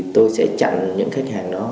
tôi sẽ chặn những khách hàng đó